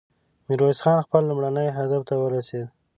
ميرويس خان خپل لومړني هدف ته ورسېد.